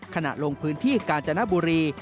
ขณะลงพื้นที่กาญจนบุรี